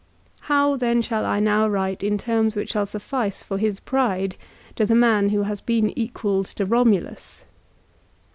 How then shall I now write in terms which shall suffice for his pride to the man who has been equalled to Eomulus